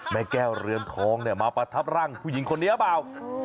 แม่แก้วเรือนทองเนี่ยมาประทับร่างผู้หญิงคนนี้หรือเปล่า